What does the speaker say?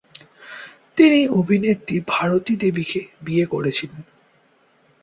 তিনি অভিনেত্রী ভারতী দেবীকে বিয়ে করেছিলেন।